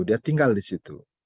dia tinggal di situ